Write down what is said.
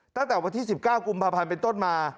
ตั้งแต่วันที่๑๙กุมภาพันธ์เป็นต้นมา